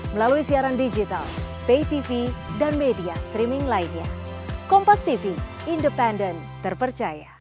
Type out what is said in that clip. melalui siaran digital pay tv dan media streaming lainnya kompas tv independen terpercaya